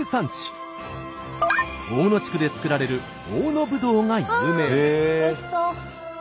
大野地区で作られる大野ぶどうが有名です。